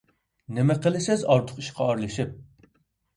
نېمە قىلىسىز ئارتۇق ئىشقا ئارىلىشىپ؟